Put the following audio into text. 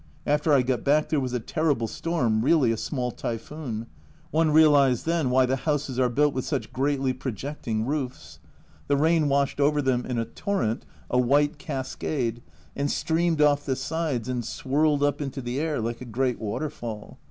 After I got back there was a terrible storm, really a small typhoon ; one realised then why the houses are built with such greatly projecting roofs. The rain washed over them in a torrent, a white cascade, and streamed off the sides and swirled up into the air like a great waterfall.